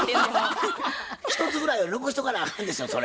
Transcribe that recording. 一つぐらいは残しとかなあかんでしょそれ。